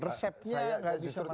resepnya nggak bisa masuk